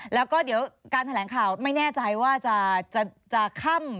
แล้วก็เดี๋ยวการแถลงข่าวไม่แน่ใจว่าจะค่ำ